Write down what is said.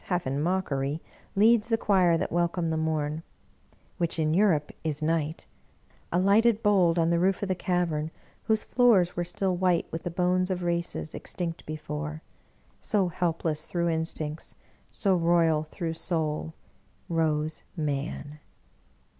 half in mockery, leads the choir that welcome the morn — which in Europe is night — alighted bold on the roof of the cavern, whose floors were still white with the bones of races, extinct before — so helpless through instincts, so royal through Soul — rose Man!